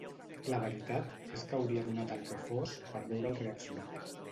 La veritat és que hauria donat el que fos per veure'l reaccionar.